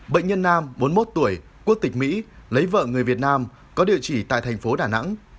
bệnh nhân nam bốn mươi một tuổi quốc tịch mỹ lấy vợ người việt nam có địa chỉ tại thành phố đà nẵng